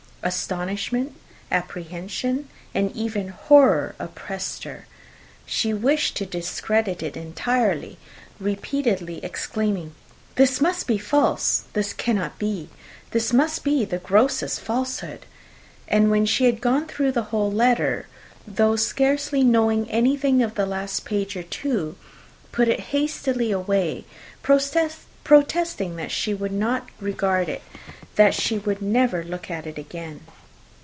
Astonishment, apprehension, and even horror, oppressed her. She wished to discredit it entirely, repeatedly exclaiming, "This must be false! This cannot be! This must be the grossest falsehood!" and when she had gone through the whole letter, though scarcely knowing anything of the last page or two, put it hastily away, protesting that she would not regard it, that she would never look in it again.